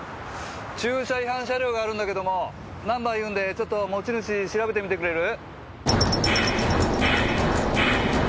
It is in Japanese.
駐車違反車両があるんだけどもナンバー言うんでちょっと持ち主調べてみてくれる？